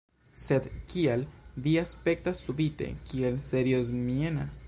Sed kial vi aspektas subite tiel seriozmiena?